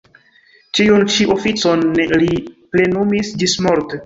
Tiun ĉi oficon li plenumis ĝismorte.